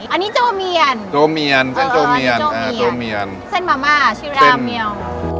อันนี้โจเมียนโจเมียนเส้นโจเมียนโจเมียนโจเมียนเส้นมาม่าชิราเมียว